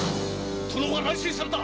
殿は乱心された！